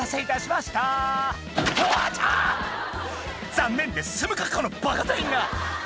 「残念で済むかこのバカ店員が！」